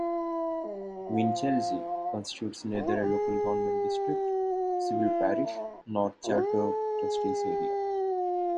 Winchelsea constitutes neither a local government district, civil parish nor charter trustees area.